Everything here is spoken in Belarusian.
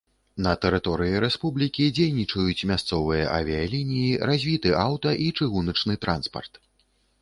На тэрыторыі рэспублікі дзейнічаюць мясцовыя авіялініі, развіты аўта- і чыгуначны транспарт.